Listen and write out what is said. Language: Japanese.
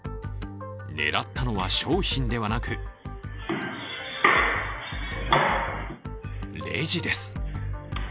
狙ったのは商品ではなくレジです。